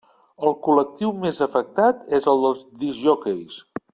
El col·lectiu més afectat és el dels discjòqueis.